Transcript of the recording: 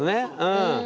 うん。